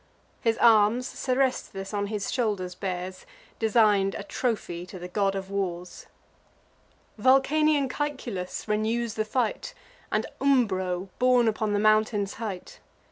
His arms Seresthus on his shoulders bears, Design'd a trophy to the God of Wars. Vulcanian Caeculus renews the fight, And Umbro, born upon the mountains' height.